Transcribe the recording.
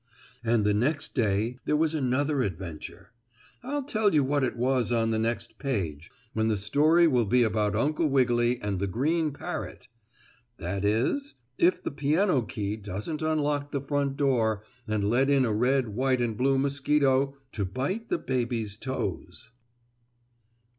And the next day there was another adventure. I'll tell you what it was on the next page, when the story will be about Uncle Wiggily and the green parrot that is, if the piano key doesn't unlock the front door and let in a red, white and blue mosquito to bite the baby's toes.